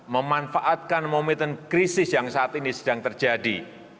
memanfaatkan momentum krisis yang saat ini sedang terjadi